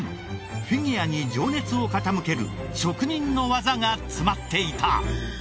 フィギュアに情熱を傾ける職人の技が詰まっていた。